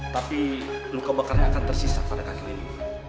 tapi luka bakarnya akan tersisa pada kaki ini